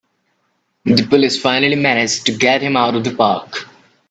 The police finally manage to get him out of the park!